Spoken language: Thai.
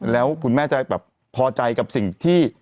แล้วคุณแม่จะแบบพอใจกับสิ่งที่